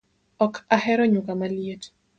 Ok ahero nyuka maliet